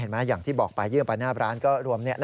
เห็นไหมอย่างที่บอกป่ายื่นป่านาบร้านก็รวมนี้